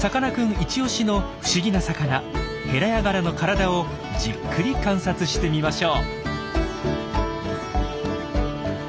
イチ押しの不思議な魚ヘラヤガラの体をじっくり観察してみましょう。